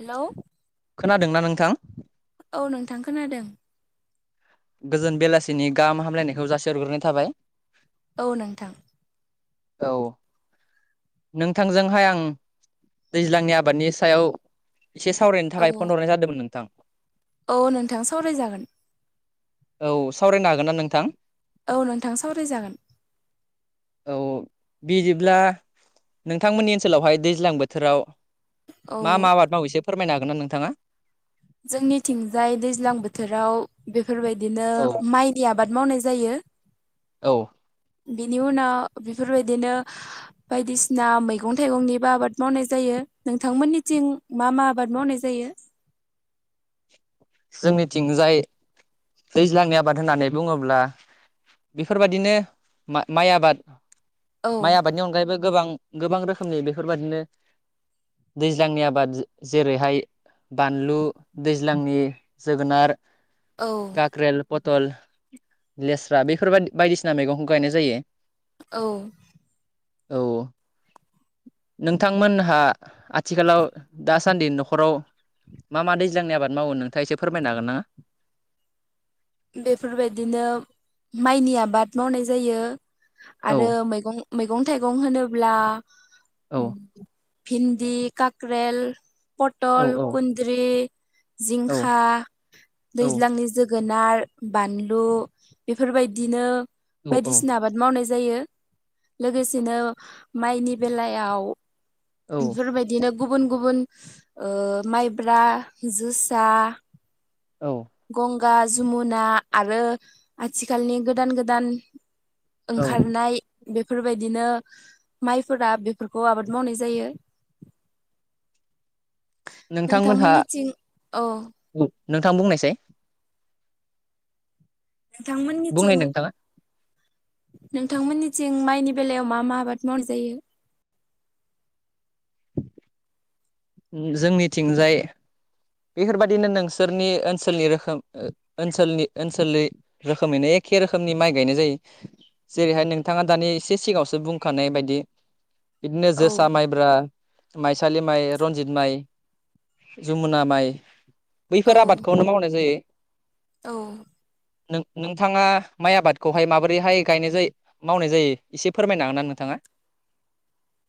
Hello खोनादोंना नोंथां? औ नोंथां खोनादों। गोजोन बेलासिनि गाहाम हामलायनायखौ जासिहरग्रोनाय थाबाय औ नोंथां। औ नोंथांजोंहाय आं दैज्लांनि आबादनि सायाव एसे सावरायनो औ थाखाय फन हरनाय जादोंमोन नोंथां औ नोंथां सावरायजागोन औ सावरायनो हागोन ना नोंथां? औ नोंथां सावरायजागोन। औ बिदिब्ला नोंथांमोननि ओनसोलावहाय दैज्लां बोथोराव औ मा मा आबाद मावो एसे फोरमायनो हागोन ना नोंथाङा? जोंनिथिंजाय दैज्लां बोथोराव बेफोरबायदिनो औ माइनि आ बाद मावनाय जायो, औ बिनि उनाव बिफोरबायदिनो बायदिसिना मैगं थाइगंनिबो आबाद मावनाय जायो नोंथांमोनिथिं मा मा आबाद मावनाय जायो? जोंनिथिंजाय दैज्लांनि आबाद होननानै बुङोब्ला बिफोरबादिनो मा माइ आबाद, औ माइ आबादनि अनगायैबो गोबां गोबां रोखोमनि बेफोरबादिनो दैज्लांनि आबाद जेरैहाय बानलु दैज्लांनि जोगोनार औ काक्रेल पटल लेस्रा बेफोरबाय बायदिसिना मैगंखौ गायनाय जायो। औ। औ। नोंथांमोनहा आथिखालाव दासान्दि न'खराव मा मा दैज्लांनि आबाद मावो नोंथाङा इसे फोरमायनो हागोनना? बेफोरबायदिनो माइनि आबाद मावनाय जायो औ आरो मैगं मैगं थाइगं होनोब्ला औ उम भिन्दि काक्रेल औ पटल औ कुन्द्रि औ जिंखा औ दैज्लांनि जोगोनार बानलु बिफोरबायदिनो औ बायदिसिना आबाद मावनाय जायो लोगोसेनो माइनि बेलायाव औ बिफोरबायदिनो गुबुन गुबुन ओ माइब्रा जोसा औ। गा जुमुना आरो आथिखालनि गोदान गोदान औ ओंखारनाय बेफोरबायदिनो माइफोरा बिफोरखौ आबाद मावनाय जायो। नोंथांमोनहा, नोंथांमोननिथिं औ नोंथां बुंनायसाय? बुंनाय नोंथांमोनिथिं नोंथाङा नोंथांमोनिथिं माइनि बेलायाव मा मा आबाद मावनाय जायो? उम जोंनिथिंजाय बेफोरबादिनो नोंसोरनि ओनसोलनि रोखोम ओनसोलनि ओनसोलै रोखोमैनो ए खे रोखोमनि माइ गायनाय जायो जेरैहाय नोंथाङा दानि इसे सिगाङावसो बुंखानाय बायदि बिदिनो औ जोसा, माइब्रा, माइसालि माइ, रनजित माइ जुमुना माइ बैफोर औ आबादखौनो मावनाय जायो। औ। नों नोंथाङा माइ आबादखौहाय माबोरैहाय गायनाय जायो मावनाय जायो इसे फोरमायनो हागोनना नोंथाङा?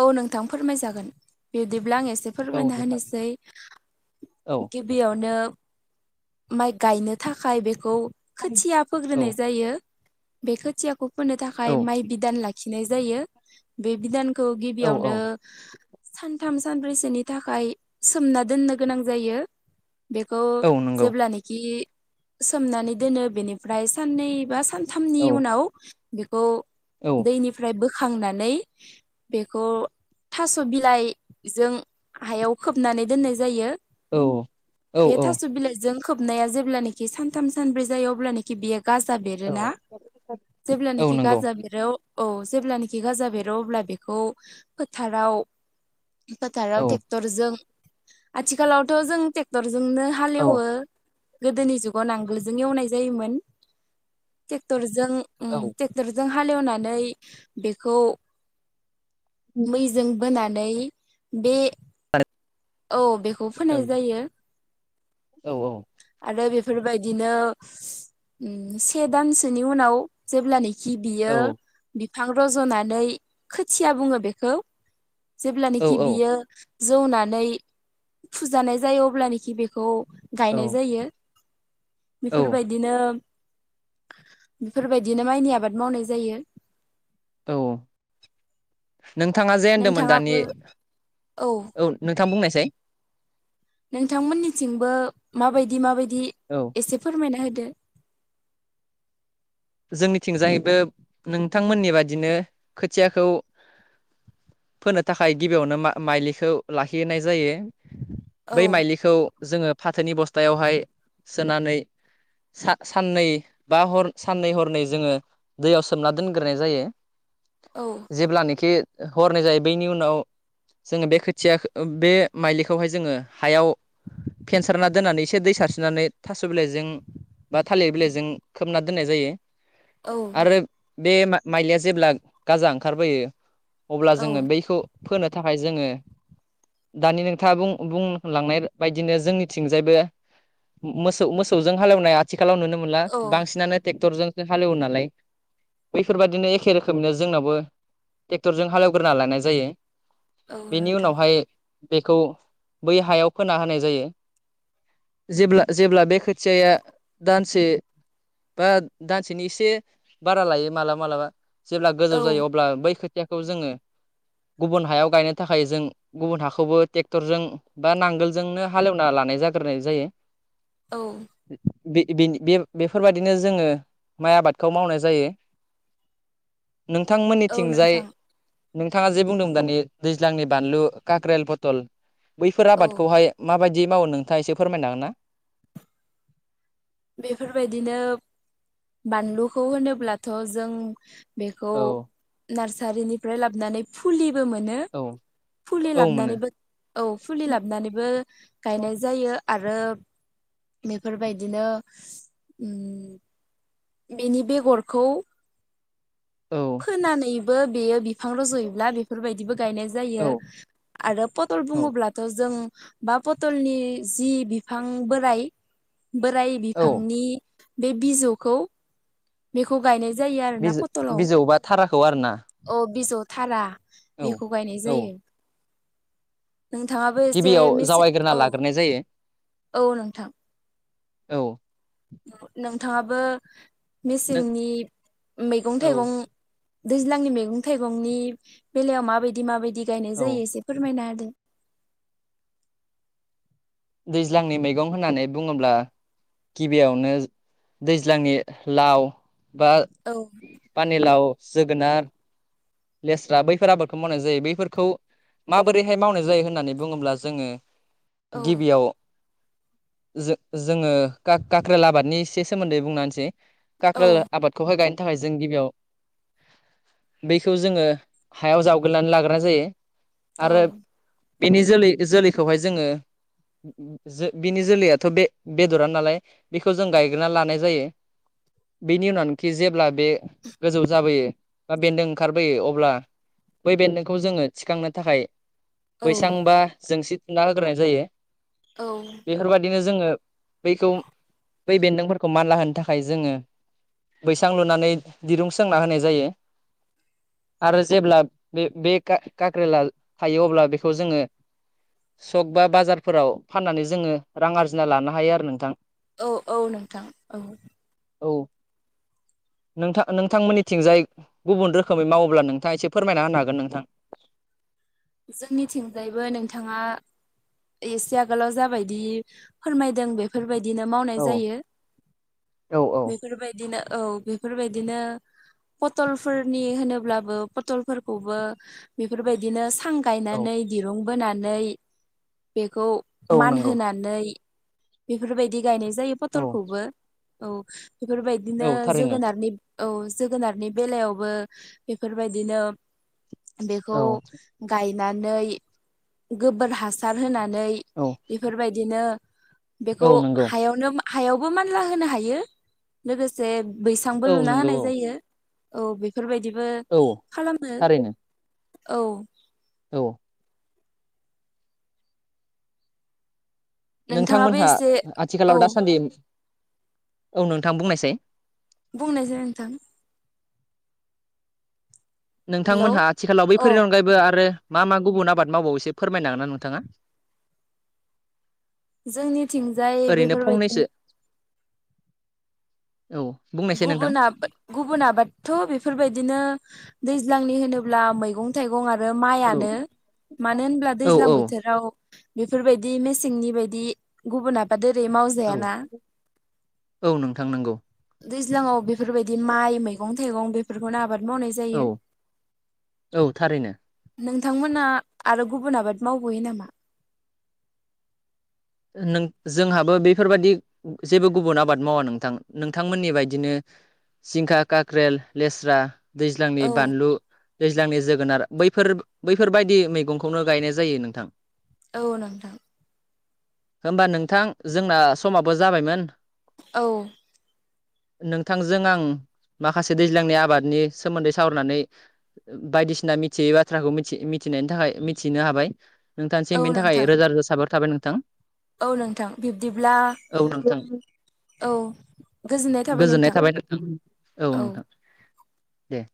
औ नोंथां फोरमायजागोन बि दिब्ला आं ए से औ फोरमायना नोंथां होनोसै, औ गिबियावनो माइ गायनो थाखाय बेखौ खोथिया औ फोग्रोनाय जायो बे खोथियाखौ फोनो थाखाय औ माइ बिदान लाखिनाय जायो बे बिदान खौ औ औ गिबियावनो सानथाम सानब्रैसोनि थाखाय सोमना दोननो गोनां जायो। बेखौ औ नंगौ जेब्लानोखि सोमनानै दोनो बेनिफ्राय साननै बा सान थामनि औ उनाव बिखौ औ दैनिफ्राय बोखांनानै बेखौ थास' बिलाइजों हायाव खोबनानै दोननाय जायो। औ बे औ थास' बिलाइजों खोबनाया जेब्लानोखि सानथाम सानब्रै जायो अब्लानोखि बियो गाजा औ बेरोना? औ जेब्लानोखि नंगौ गाजा बेरो औ जेब्लानोखि गाजा बेरो अब्ला बेखौ फोथाराव फोथाराव औ टेक्टरजों आथिखालावथ' जों टेक्टर जोंनो औ हालेवो। गोदोनि जुगाव नांगोलजों एवनाय जायोमोन टेक्टर जों उम औ टेक्टरजों हालेवनानै बेखौ मैजों बोनानै बे औ बेखौ फोनाय जायो। औ औ। आरो बेफोरबायदिनो उम से दानसोनि उनाव जेब्लानो [unintelligible] औ बियो बिफां रज'नानै खोथिया बुङो बेखौ। जेब्लानोखि औ बियो जौनानै फुजानाय जायो। अब्लानोखि बेखौ गायनाय जायो औ बेफोरबायदिनो बेफोरबायदिनो माइनि आबाद मावनाय जायो। औ नोंथाङा जे होनदोंमोन दानि नोंथाङाबो औ नों [unintelligible] बुंनायसाय। नोंथांमोननिथिंबो माबायदि- माबायदि औ एसे फोरमायना [unintelligible] [unintelligible] जोंनिथिंजायबो नोंथांमोननि बादिनो खोथियाखौ फोनो थाखाय गिबियावनो मा-माइलिखौ लाखिनाय जायो। औ बै माइलिखौ जोङो फाथोनि बस्थायावहाय सोनानै सा-साननै बा हर साननै हरनै जोङो दैयाव सोमना दोनग्रोनाय जायो। औ जेब्लानोखि हरनै जायो बैनि उनाव जोङो बे खोथिया बे माइलिखौहाय जोङो हायाव फेनसारना दोननानै एसे दै [unintelligible] सारस्रिनानै थास' बिलाइजों बा थालिर बिलाइजों खोबना दोननाय जायो। औ आरो बे मा-माइलिया जेब्ला गाजा ओंखारबोयो अब्ला औ जोङो बैखौ फोनो थाखाय जोङो दानि नोंथाङा बुं-बुंलांनाय बायदिनो जोंनिथिंजायबो मोसौ-मोसौजों हालेवनाय आथिखालाव नुनो मोनला औ बांसिनानो टेक्टरजों हालोवो नालाय बैफोरबायदिनो एखे रोखोमनो जोंनावबो टेक्टरजों हालेवग्रोना लानाय जायो। औ बेनि नोंथां उनावहाय बेखौ बै हायाव फोना होनाय जायो। जेब्ला-जेब्ला बे खोथियाया दानसे बा दानसेनि एसे बारा लायो मालाबा -मालाबा जेब्ला गोजौ औ जायो अब्ला बै [unintelligible] [unintelligible] जोङो गुबुन हायाव गायनो थाखाय जों गुबुन हाखौबो टेक्टरजों बा नांगोलजोंनो हालेवना [unintelligible] [unintelligible] जाग्रोनाय जायो। औ। [unintelligible] दिनो जोङो माय आबादखौ मावनाय जायो। औ नोंथांमोननिथिंजाय नोंथां नोंथाङा जे बुंदों दानि दैज्लांनि बानलु काक्रेल, पटल बैफोर औ आबादखौहाय माबादि मावो नोंथाङा एसे फोरमायनो हागोन ना? बेफोरबायदिनो बानलुखौ होनोब्लाथ' जों बेखौ औ नार्सारिनिफ्राय लाबोनानै फुलिबो मोनो। औ फुलि औ मोनो लाबनैबो औ फुलि लाबनैबो गायनाय जायो। आरो बेफोरबायदिनो उम। बेनि बेगरखौ औ [unintelligible] बेयो बिफां र'ज'योब्ला बेफोरबायदिबो गायनाय जायो औ आरो पटल बुङोब्लाथ' जों बा पथलनि जि बिफां बोराय, बोराय औ बिफांनि बे बिजौखौ बेखौ गायनाय जा बिजौबा थाराखौ आरोना । अ बिजौ थारा बेखौ गायनाय जायो । गिबियाव जावायग्रोना औ लाग्रोनाय जायो औ नोंथां औ नोंथाङाबो मेसेंनि मैगं औ थाइगं दैज्लांनि मैगं थाइगंनि बेलायाव माबायदि माबायदि गायनाय औ जायो एसे फोरमायनो हादो । दैज्लांनि मैगं होननानै बुङोब्ला गिबियावनो दैज्लांनि लाव बा औ पानिलाव जोगोनार लेस्रा बैफोर आबादखौ मावनाय जायो बैफोरखौ माबोरैहाय मावनाय जायो होननानै बुङोब्ला जोङो औ गिबियाव जोङो काक्रेल आबादनि एसे सोमोन्दै बुंना होनोसै । काख्रेल आबादखौहाय गायनो थाखाय जों गिबियाव बे बेखौ जोङो हायाव जावायनानै लाग्रोनाय जायो । औ बेनि जोलै जोलैखौहाय जोङो बिनि जोलैयाथ' बे बेदरा नालाय बेखौ जों गायग्रोनानै लानाय जायो । बेनि उनावनोखि जेब्ला बे गोजौ जाबोयो बा बेन्दों ओंखारबोयो अब्ला बै बेन्दोंखौ जोङो थिखांनो थाखाय औ बैसां बा जोंसि थुंना होग्रोनाय जायो औ बेफोरबायदिनो जोङो बैखौ बै बेन्दोंफोरखौ मानला होनो थाखाय जोङो बैसां लुनानै दिरुं सोंना होनाय जायो । आरो जेब्ला बे बे कक्रिला थायो अब्ला बेखौ जोङो सक बा बाजारफोराव फाननानै जोङो रां आरजिना लानो हायो आरो नोंथां । औ औ नोंथां औ औ नोंथां नोंथांमोननिथिंजाय गुबुन रोखोमै मावोब्ला नोंथाङा एसे फोरमायना होनो हागोन नोंथां । जोंनिथिंजायबो नोंथाङा एसे आगोलाव जाबायदि फोरमायदों बेफोरबायदि बिदिनो मावनाय औ जायो बेफोरबायदिनो औ बेफोरबायदिनो पटलफोरनि होनोब्लाबो पटलफोरखौबो बेफोरबायदिनो सां गायनानै दिरुं बोनानै बेखौ औ नंगौ मानहोनानै बेफोरबायदि गायनाय जायो पथलखौबो औ बेफोरबायदिनो औ थारैनो जोगोनारनि औ जोगोनारनि बेलायावबो बेफोरबायदिनो बेखौ औ गायनानै गोबोर हासार होनानै औ बेफोरबायदिनो बेखौ औ नंगौ हायावनो हायावबो मानला होनो हायो लोगोसे बैसांबो औ लुना नंगौ होनाय औ जायो औ बेफोरबायदिबो औ खालामो । थारैनो औ औ नोंथाङाबो नोंथांमोनहा एसे औ आथिखालाव दासान्दि औ नोंथां बुंनायसाय बुंनायसाय नोंथां । हेलौ नोंथांमोनहा आथिखालाव अ बैफोरनि अनगायैबो आरो मा मा गुबुन आबाद मावबावो एसे फोरमायनो हागोन ना नोंथाङा? जोंनिथिंजाय ओरैनो फंनैसो बेफोरबायदि औ बुंनायसाय नोंथां गुबुन गुबुन आबादथ' बेफोरबायदिनो दैज्लांनि होनोब्ला मैगं थाइगं आ औ माइनो मानो होनब्ला औ दैज्लां औ बोथोराव बेफोरबायदि मेसेंनि बायदि गुबुुन आबाद ओरै औ मावजायाना । औ नोंथां नोंगौ दैज्लाङाव बेफोरबायदि माइ, मैगं-थाइगं बेफोरखौनो आबाद मावनाय औ जायो। [inaudible] औ थारैनो नों नोंथांमोना आरो गुबुन आबाद मावबयो नामा? नों जोंहाबो बेफोरबादि जेबो गुबुन आबाद मावा नोंथां। नोंथांमोननि बायदिनो जिंखा, काक्रेल, लेस्रा, दैज्लांनि औ बानलु दैज्लांनि जोगोनार बैफोर बैफोरबायदि मैगंखौनो गायनाय जायो नोंथां। औ नोंथां। होमबा नोंथां जोंना समाबो जाबायमोन। औ। नोंथांजों आं माखासे दैज्लांनि आबादनि सोमोन्दै सावरायनानै बायदिसिना मिथियै बाथ्राखौ मिथि मि मिथिनायनि थाखाय मिथिनो हाबाय नोंथांसिम औ बेनि थाखाय नोंथां रोजा रोजा साबायखर थाबाय नोंथां। औ नोंथां बिब्दिब्ला औ नोंथां औ [inaudible] गोजोननाय थाबाय नोंथां औ नोंथां दे।